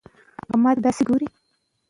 شاته تمبول شوې وه